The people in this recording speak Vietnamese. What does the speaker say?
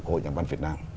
hội nhà văn việt nam